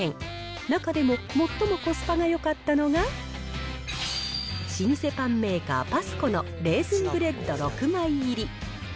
中でも最もコスパがよかったのが、老舗パンメーカー、パスコのレーズンブレッド６枚入り。